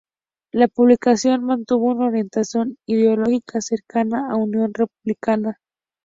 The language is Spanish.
La publicación mantuvo una orientación ideológica cercana a Unión Republicana.